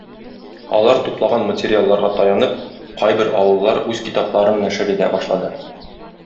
Алар туплаган материалларга таянып, кайбер авыллар үз китапларын нәшер итә башлады.